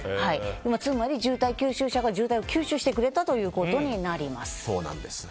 つまり渋滞吸収車が渋滞を吸収してくれたことになります。